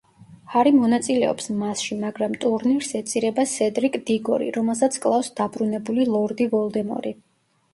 ჰარი მონაწილეობს მასში, მაგრამ ტურნირს ეწირება სედრიკ დიგორი, რომელსაც კლავს დაბრუნებული ლორდი ვოლდემორი.